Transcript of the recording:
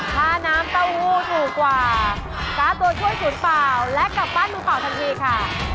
ถ้าน้ำเต้าหู้ถูกกว่าซ้าตัวช่วยฝุ่นเปล่าและกลับบ้านหลุมเปล่าทันทีค่ะ